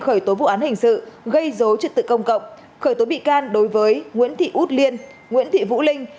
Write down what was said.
khởi tố vụ án hình sự gây dối trật tự công cộng khởi tối bị can đối với nguyễn thị út liên nguyễn thị vũ linh